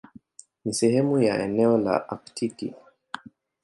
Ni sehemu ya eneo la Aktiki.